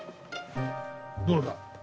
どうだ？